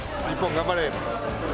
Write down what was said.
頑張れ。